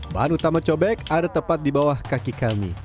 bahan utama cobek ada tepat di bawah kaki kami